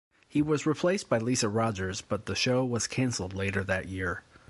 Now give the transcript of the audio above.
He was replaced by Lisa Rogers but the show was cancelled later that year.